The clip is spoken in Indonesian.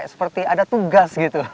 seperti ada tugas gitu